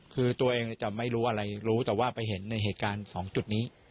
คือตัวเองจะไม่รู้อะไรรู้แต่ว่าไปเห็นในเหตุการณ์๒จุดนี้